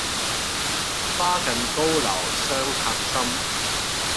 花近高樓傷客心，